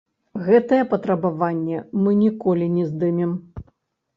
Гэтае патрабаванне мы ніколі не здымем.